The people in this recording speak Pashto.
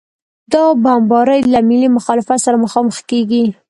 دا بمبارۍ له ملي مخالفت سره مخامخ کېږي.